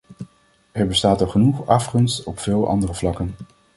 Er bestaat al genoeg afgunst op veel andere vlakken.